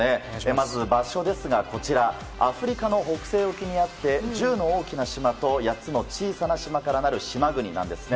まず場所ですがアフリカの北西沖にあって１０の大きな島と８つの小さな島からなる島国なんですね。